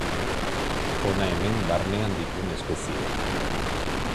Hona hemen barnean dituen espezieak.